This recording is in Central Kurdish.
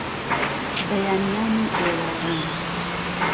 بەیانیان و ئێواران